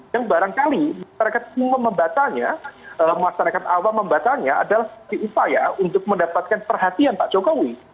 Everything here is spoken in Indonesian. yang barangkali masyarakat awam membatalnya adalah diupaya untuk mendapatkan perhatian pak jokowi